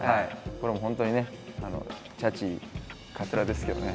これも本当にねちゃちいかつらですけどね。